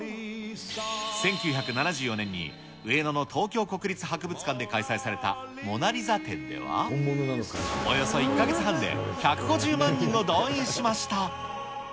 １９７４年に上野の東京国立博物館で開催されたモナ・リザ展では、およそ１か月半で１５０万人を動員しました。